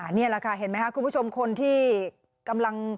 นี่แหละค่ะเห็นไหมครับคุณผู้ชมคนที่กำลัง